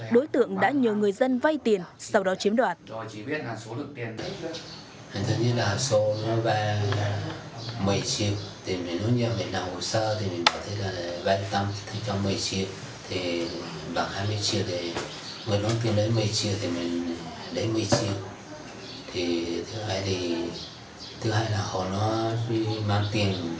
đối tượng đã nhờ người dân vay tiền sau đó chiếm đoạt